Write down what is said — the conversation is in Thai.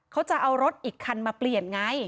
เขาจะเอารถอีกคันมาเปลี่ยนไง